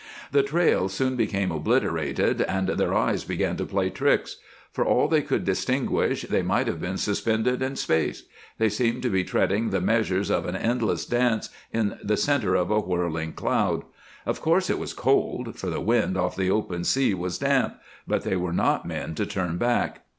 The trail soon became obliterated and their eyes began to play tricks. For all they could distinguish, they might have been suspended in space; they seemed to be treading the measures of an endless dance in the center of a whirling cloud. Of course it was cold, for the wind off the open sea was damp, but they were not men to turn back.